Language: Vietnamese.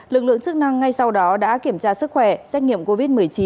lực lượng chức năng ngay sau đó đã kiểm tra sức khỏe xét nghiệm covid một mươi chín